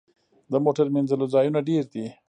د موټر مینځلو ځایونه ډیر دي؟